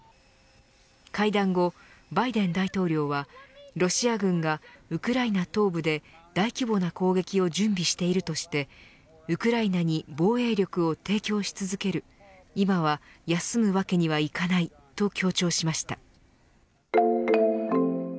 会談後バイデン大統領はロシア軍がウクライナ東部で大規模な攻撃を準備しているとしてウクライナに防衛力を提供し続ける今は休むわけにはいかないと強調しました。